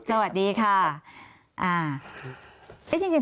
ไม่ตอบดีกว่านะครับ